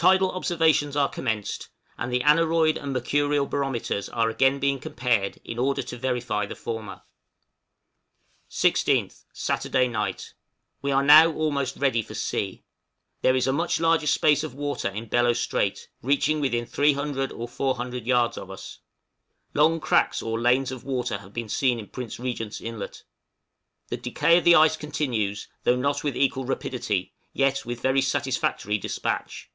Tidal observations are commenced; and the aneroid and mercurial barometers are again being compared in order to verify the former. {SHOOTING SEALS.} 16th. Saturday night. We are now almost ready for sea. There is a much larger space of water in Bellot Strait, reaching within 300 or 400 yards of us. Long cracks or lanes of water have been seen in Prince Regent's Inlet. The decay of the ice continues, though not with equal rapidity, yet with very satisfactory despatch.